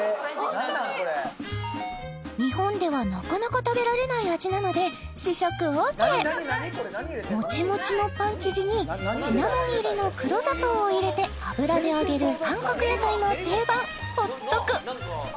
日本ではなかなか食べられない味なので試食ＯＫもちもちのパン生地にシナモン入りの黒砂糖を入れて油で揚げる韓国屋台の定番ホットク